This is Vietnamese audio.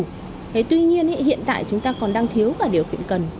thế tuy nhiên hiện tại chúng ta còn đang thiếu cả điều kiện cần